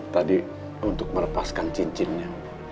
tadi untuk melepaskan cincinnya